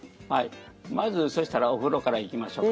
まず、そしたらお風呂から行きましょうか。